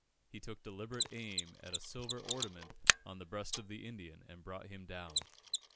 He took deliberate aim at a silver ornament on the breast of the Indian, and brought him down.